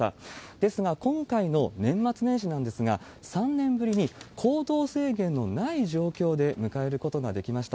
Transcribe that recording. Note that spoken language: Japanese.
ですが、今回の年末年始なんですが、３年ぶりに行動制限のない状況で迎えることができました。